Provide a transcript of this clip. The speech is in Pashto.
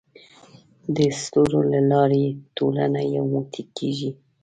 د اسطورو له لارې ټولنه یو موټی کېږي.